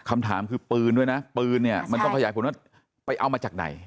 คำถามคือปืนด้วยนะปืนเนี่ยมันต้องขยายผลว่าไปเอามาจากไหน